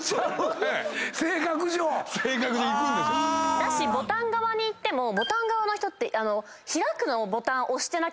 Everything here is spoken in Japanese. だしボタン側に行ってもボタン側の人って開くの。